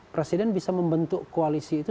presiden bisa membentuk koalisi itu